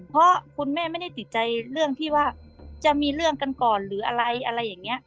เพราะคุณแม่ไม่ได้ติดใจเรื่องที่ว่าจะมีเรื่องกันก่อนหรืออะไรอะไรอย่างนี้